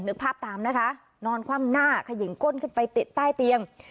นึกภาพตามนะคะนอนคว่ำหน้าขยิงก้นขึ้นไปติดใต้เตียง